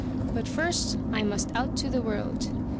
"But first I must out to the world.